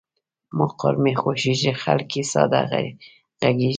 مقر مې خوښېږي، خلګ یې ساده غږیږي.